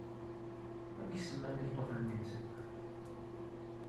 Amek semman i uṭufan-nni-nsen?